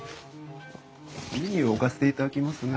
メニュー置かせていただきますね。